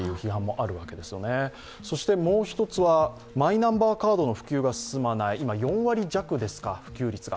もう一つは、マイナンバーカードの普及が進まない、今４割弱、普及率が。